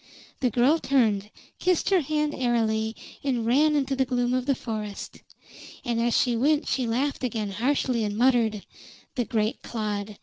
The girl turned, kissed her hand airily, and ran into the gloom of the forest. And as she went she laughed again harshly and muttered: "The great clod!